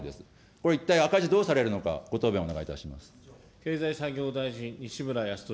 これ一体、赤字どうされるのか、ご答弁をお願いいたします。